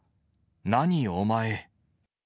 何、お前。